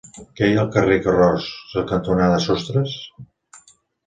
Què hi ha al carrer Carroç cantonada Sostres?